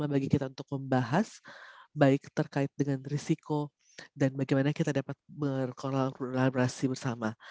bagi kita untuk membahas baik terkait dengan risiko dan bagaimana kita dapat berkolaborasi bersama